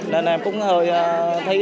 nên em cũng thấy rất là đẹp